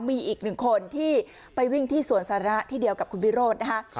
มีอีกหนึ่งคนที่ไปวิ่งที่สวนสาระที่เดียวกับคุณวิโรธนะคะ